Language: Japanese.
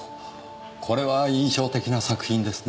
これは印象的な作品ですね。